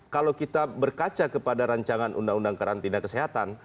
kalau kita berkaca kepada ruu karantina kesehatan